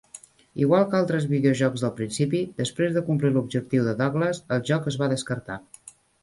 Igual que altres videojocs del principi, després de complir l'objectiu de Douglas, el joc es va descartar.